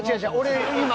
俺今。